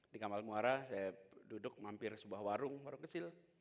di kamal muara saya duduk mampir sebuah warung warung kecil